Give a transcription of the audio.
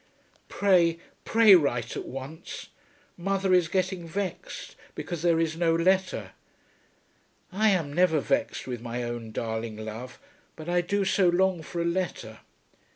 Pray, pray write at once. Mother is getting vexed because there is no letter. I am never vexed with my own darling love, but I do so long for a letter.